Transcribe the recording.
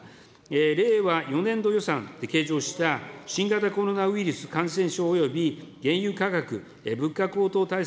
令和４年度予算、計上した新型コロナウイルス感染症および原油価格、物価高騰対策